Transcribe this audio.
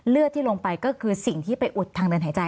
เลือดที่ลงไปก็คือสิ่งที่ไปอุดทางเดินหายใจ